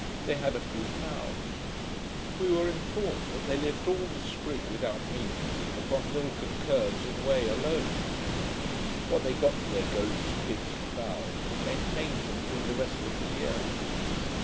They had a few fowls. We were informed that they lived all the spring without meal, upon milk and curds and whey alone. What they get for their goats, kids, and fowls, maintains them during the rest of the year.